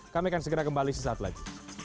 kami akan segera kembali sesaat lagi